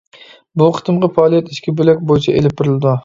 بۇ قېتىمقى پائالىيەت ئىككى بۆلەك بويىچە ئېلىپ بېرىلىدۇ.